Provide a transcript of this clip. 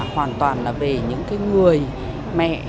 hoàn toàn là về những người mẹ